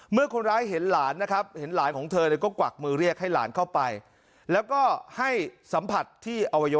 เมื่อคนร้ายเห็นหลานนะครับเห็นหลานของเธอก็กวักมือเรียกให้หลานเข้าไป